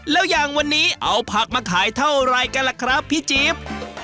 แล้วอย่างวันนี้เอาผักมาขายเท่าไรกันล่ะครับพี่จิ๊บ